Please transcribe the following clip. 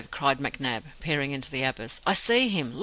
cried McNab, peering into the abyss. "I see him.